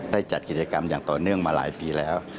จัดกิจกรรมอย่างต่อเนื่องมาหลายปีแล้ว